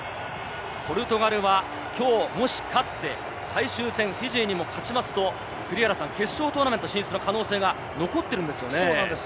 ポルトガルは、きょうもし勝って最終戦フィジーにも勝つと決勝トーナメント進出の可能性が残っているんですよね。